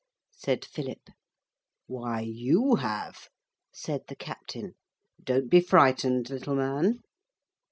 said Philip. 'Why, you have,' said the captain. 'Don't be frightened, little man.'